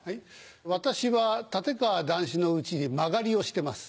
私は立川談志の家に間借りをしてます。